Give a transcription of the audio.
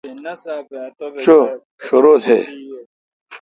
چو شرو تھی۔